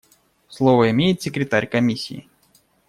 Слово имеет Секретарь Комиссии.